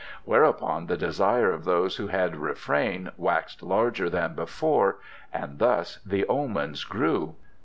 Whereupon the desire of those who had refrained waxed larger than before, and thus the omens grew.